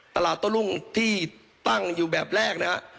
ตลาดโต้รุ่งที่ตั้งอยู่แบบแรกนะฮะ